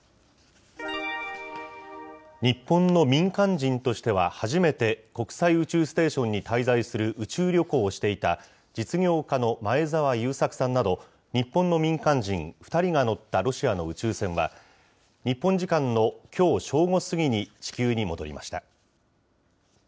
日本の民間人としては初めて国際宇宙ステーションに滞在する宇宙旅行をしていた実業家の前澤友作さんなど、日本の民間人２人が乗ったロシアの宇宙船は、日本時間のきょう正午過ぎに地球に戻りました。